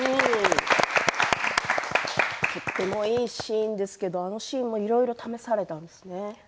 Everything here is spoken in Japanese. とてもいいシーンですけれどいろいろ試されたんですね。